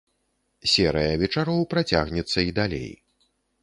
Серыя вечароў працягнецца і далей.